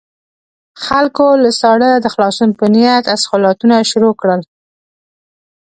خلکو له ساړه د خلاصون په نيت اسخولاتونه شروع کړل.